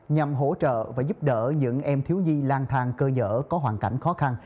nhằm hỗ trợ và giúp đỡ những em thiếu nhi lang thang cơ nhở có hoàn cảnh khó khăn